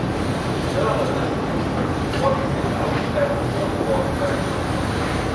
Ich höre, dass die ursprünglich vorgesehene Ausschreibung gestoppt worden sein soll.